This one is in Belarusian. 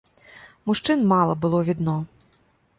Мужчын мала было відно.